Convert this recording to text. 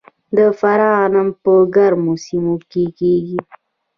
د فراه غنم په ګرمو سیمو کې کیږي.